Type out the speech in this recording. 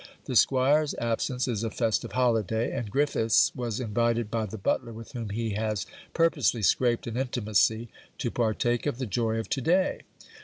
The squire's absence is a festive holiday; and Griffiths was invited by the butler, with whom he has purposely scraped an intimacy, to partake of the joy of to day.